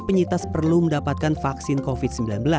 penyintas perlu mendapatkan vaksin covid sembilan belas